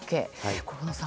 小野さん。